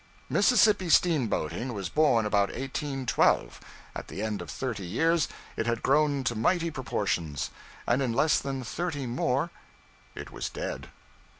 Mississippi steamboating was born about 1812; at the end of thirty years, it had grown to mighty proportions; and in less than thirty more, it was dead!